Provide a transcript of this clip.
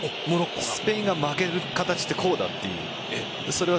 スペインが負ける形はこうだという。